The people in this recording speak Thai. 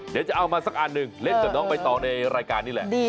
เดี๋ยวจะเอามาสักอันหนึ่งเล่นกับน้องใบตองในรายการนี่แหละ